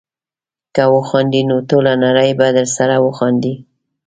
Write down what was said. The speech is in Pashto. که وخاندې نو ټوله نړۍ به درسره وخاندي.